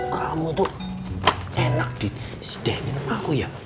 kamu tuh enak disedehin aku ya